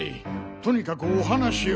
とにかくお話を。